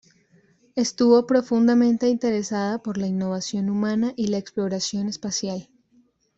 Estuvo profundamente interesada por la innovación humana y la exploración espacial.